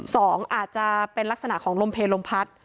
สองอาจจะเป็นลักษณะของลมเพลลมพัด